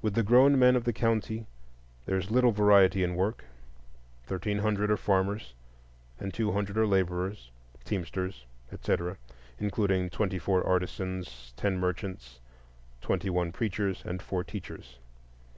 With the grown men of the county there is little variety in work: thirteen hundred are farmers, and two hundred are laborers, teamsters, etc., including twenty four artisans, ten merchants, twenty one preachers, and four teachers.